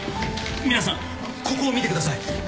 皆さんここを見てください。